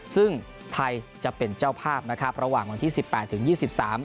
ซึ่งไทยจะเป็นเจ้าภาพนะครับระหว่างวันที่สิบแปดถึงยี่สิบสาม